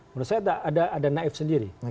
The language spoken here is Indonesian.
menurut saya ada naif sendiri